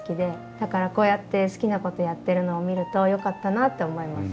だからこうやって好きなことやってるのを見るとよかったなって思います。